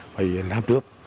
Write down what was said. phải làm trước